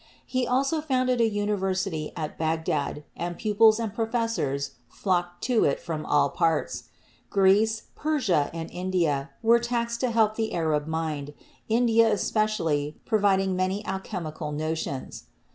He also founded a university at Bagdad, and pupils and professors flocked to it from all parts. Greece, Persia and India were taxed to help the Arab mind, India especially providing many alchemical notions.